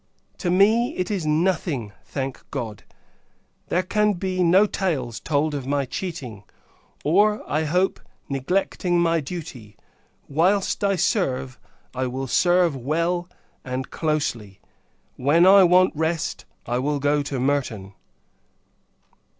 To me, it is nothing. Thank God! there can be no tales told of my cheating; or, I hope, neglecting my duty. Whilst I serve, I will serve well, and closely; when I want rest, I will go to Merton.